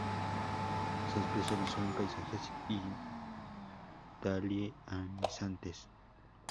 Se especializó en paisajes italianizantes.